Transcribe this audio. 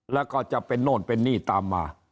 แล้วก็จะเป็นโน่นเป็นนี่ตามมา